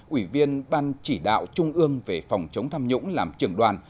ủy viên ban chỉ đạo trung ương về phòng chống tham nhũng làm trưởng đoàn